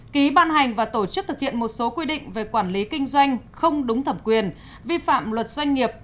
ký ban hành và tổ chức thực hiện một số quy định về quản lý kinh doanh không đúng thẩm quyền vi phạm luật doanh nghiệp